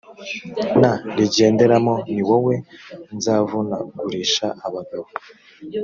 n rigenderamo ni wowe nzavunagurisha abagabo